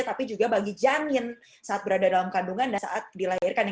tapi juga bagi janin saat berada dalam kandungan dan saat dilahirkan